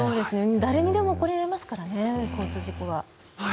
誰にでも起こり得ますから交通事故は。